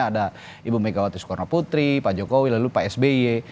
ada ibu megawati soekarno putri pak jokowi lalu pak sby